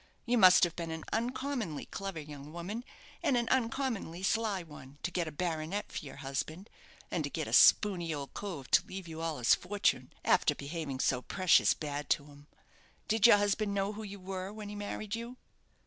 You must have been an uncommonly clever young woman, and an uncommonly sly one, to get a baronite for your husband, and to get a spooney old cove to leave you all his fortune, after behaving so precious bad to him. Did your husband know who you were when he married you?"